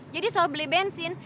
jadi soal beli bensin